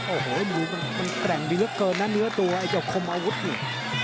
โอ้โหดูมันแกร่งดีเหลือเกินนะเนื้อตัวไอ้เจ้าคมอาวุธนี่